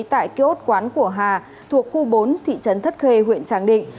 tại kiosk quán của hà thuộc khu bốn thị trấn thất khê huyện tràng định